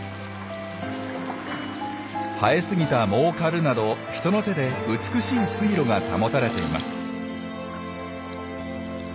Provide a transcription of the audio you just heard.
生えすぎた藻を刈るなど人の手で美しい水路が保たれています。